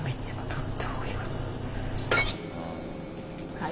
はい。